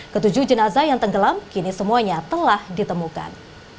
ketujuh jenazah yang tenggelam kini semuanya telah ditemukan